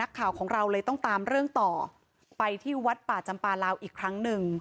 ข่าวของเราเลยต้องตามเรื่องต่อไปที่วัดป่าจำปลาลาวอีกครั้งหนึ่ง